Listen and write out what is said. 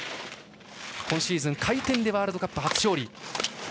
今シーズン回転でワールドカップ初勝利。